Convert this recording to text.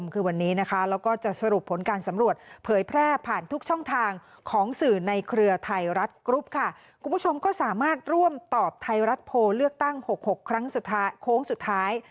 คุณผู้ชมก็สามารถร่วมตอบไทยรัฐโพลเลือกตั้ง๖๖โค้งสุดท้าย